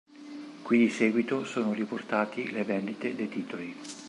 Qui di seguito sono riportati le vendite dei titoli.